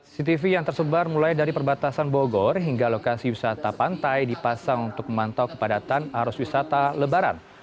cctv yang tersebar mulai dari perbatasan bogor hingga lokasi wisata pantai dipasang untuk memantau kepadatan arus wisata lebaran